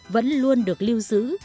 vẫn luôn được lưu giữ